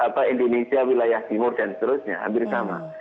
apa indonesia wilayah timur dan seterusnya hampir sama